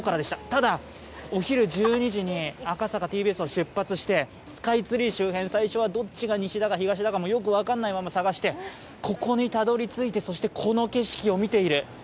ただ、お昼１２時に赤坂・ＴＢＳを出発して、スカイツリー周辺、最初はどっちが西だか東だかもよく分からないまま探してここにたどり着いて、そしてこの景色を見ている。